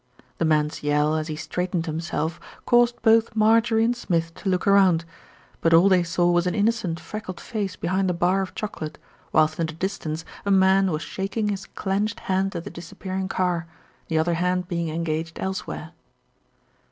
The man's yell as he straightened himself caused both Marjorie and Smith to look round; but all they saw was an innocent freckled face behind a bar of chocolate, whilst in the distance a man was shaking his 146 THE RETURN OF ALFRED clenched hand at the disappearing car, the other hand being engaged elsewhere.